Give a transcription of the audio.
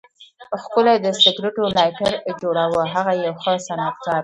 ښکلی د سګریټو لایټر جوړاوه، هغه یو ښه صنعتکار و.